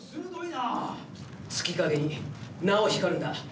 月影になお光るんだ。